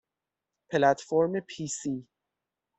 پلتفرم پیسی